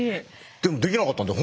でもできなかったんだよ